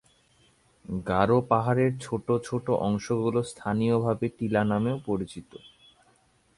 গারো পাহাড়ের ছোট ছোট অংশগুলো স্থানীয়ভাবে টিলা নামেও পরিচিত।